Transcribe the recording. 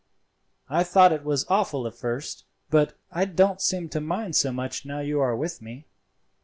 I thought it was awful at first, but I don't seem to mind so much now you are with me."